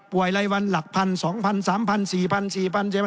ป่วยไรวันหลักพัน๒พัน๓พัน๔พัน๔พัน